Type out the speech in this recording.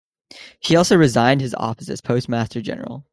He also resigned his office as postmaster general.